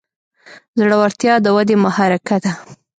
زړورتیا د ودې محرکه ده.